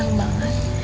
aku juga senang banget